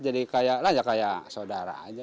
jadi kayak kayak saudara aja